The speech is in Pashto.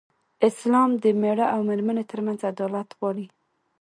اسلام د مېړه او مېرمن تر منځ عدالت غواړي.